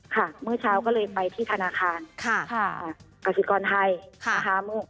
ค่ะเมื่อเช้าก็เลยไปที่ธนาคารกสิทธิ์กรไทยธนาคารมุม